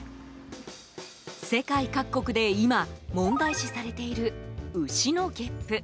世界各国で今、問題視されている牛のげっぷ。